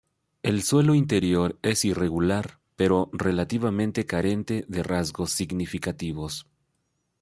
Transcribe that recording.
El suelo interior es irregular pero relativamente carente de rasgos significativos.